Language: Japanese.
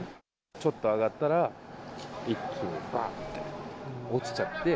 ちょっと上がったら一気にばんって落ちちゃって。